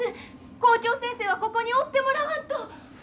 校長先生はここにおってもらわんと。なあ？